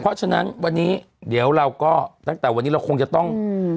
เพราะฉะนั้นวันนี้เดี๋ยวเราก็ตั้งแต่วันนี้เราคงจะต้องอืม